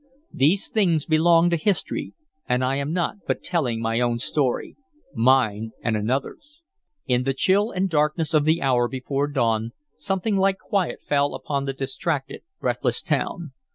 These things belong to history, and I am but telling my own story, mine and another's. In the chill and darkness of the hour before dawn something like quiet fell upon the distracted, breathless town.